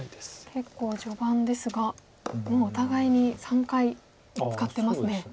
結構序盤ですがもうお互いに３回使ってますね。